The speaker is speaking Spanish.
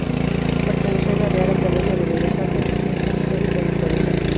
Perteneció a la Real Academia de Bellas Artes y Ciencias Históricas de Toledo.